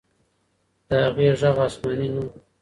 د هغې ږغ آسماني نه و.